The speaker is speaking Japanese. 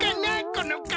この顔。